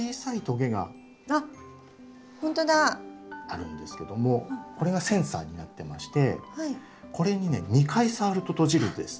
あるんですけどもこれがセンサーになってましてこれにね２回触ると閉じるんです。